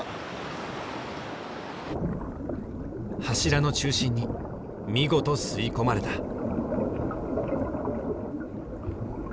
柱の中心に見事吸い込まれた。